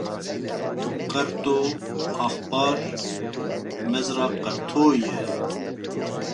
Qerto, Axpar Mezra Qerto ye